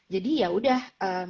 jadi ya udah